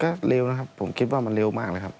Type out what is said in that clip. ก็เร็วนะครับผมคิดว่ามันเร็วมากเลยครับ